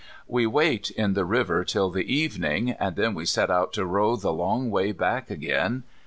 We wait in the river till the evening, and then set out to row the long way back again.